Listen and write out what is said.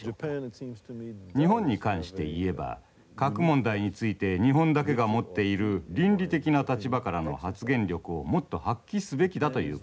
日本に関して言えば核問題について日本だけが持っている倫理的な立場からの発言力をもっと発揮すべきだということです。